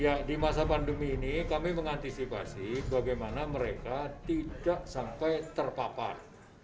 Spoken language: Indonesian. ya di masa pandemi ini kami mengantisipasi bagaimana mereka tidak sampai terpapar